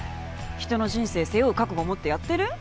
人の人生背負う覚悟持ってやってる？